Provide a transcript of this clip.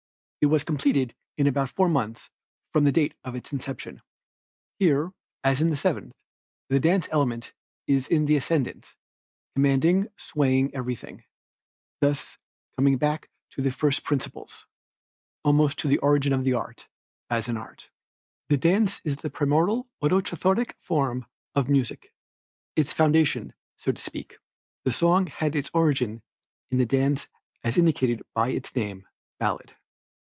It was completed in about four months from the date of its inception. Here as in the Seventh, the dance element is in the ascendant, commanding, swaying everything, thus coming back to first principles, almost to the origin of the art, as an art. The dance is the primordial, autochthonic form of music; its foundation so to speak. The song had its origin in the dance as indicated by its name "ballad."